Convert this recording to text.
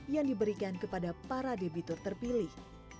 yang diberikan kepada para debitur terpilih